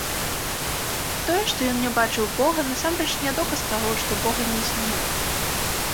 Тое, што ён не бачыў бога, насамрэч не доказ таго, што бога не існуе.